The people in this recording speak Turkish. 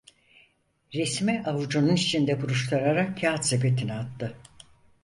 Resmi avucunun içinde buruşturarak kâğıt sepetine attı.